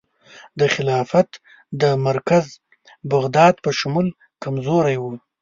د خلافت د مرکز بغداد په شمول کمزوري وه.